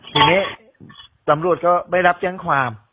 ทีนี้ตำรวจก็ไม่รับแจ้งความ